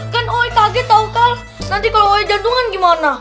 kan oi kaget tau kang nanti kalau oe jantungan gimana